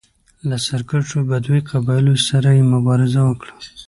له سرکښو بدوي قبایلو سره یې مبارزه وکړه.